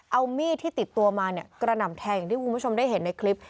เอามีดที่ติดตัวมาเนี่ยกระหน่ำแทงอย่างที่คุณผู้ชมได้เห็นในคลิป